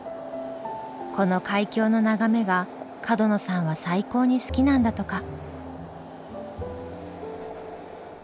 この海峡の眺めが角野さんは最高に好きなんだとか。